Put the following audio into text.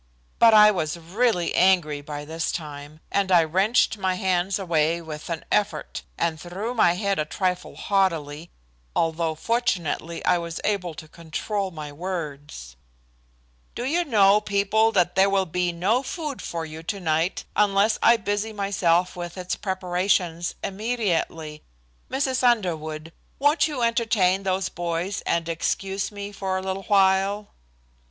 But I was really angry by this time, and I wrenched my hands away with an effort and threw my head a trifle haughtily, although fortunately I was able to control my words: "Do you know, people, that there will be no food for you tonight unless I busy myself with its preparations immediately? Mrs. Underwood, won't you entertain those boys and excuse me for a little while?"